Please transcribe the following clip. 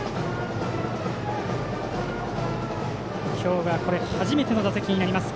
今日が初めての打席になります。